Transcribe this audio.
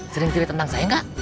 sering cerita tentang saya nggak